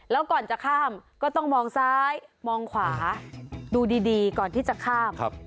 แล้วก่อนจะข้ามก็ต้องมองซ้ายมองขวาดูดีก่อนที่จะข้าม